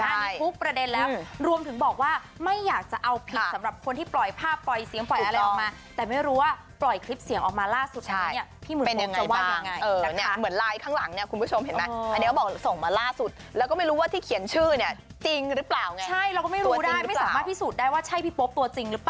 อันนี้พูดระเด็นแล้วรวมถึงบอกว่าไม่อยากจะเอาผิดสำหรับคนที่ปล่อยภาพปล่อยเสียงปล่อยอะไรออกมา